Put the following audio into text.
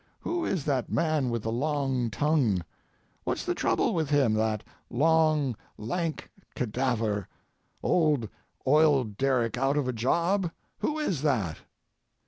Who is that man with the long tongue? What's the trouble with him, that long, lank cadaver, old oil derrick out of a job—who is that?"